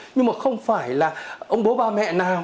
nhưng mà không phải là ông bố ba mẹ nào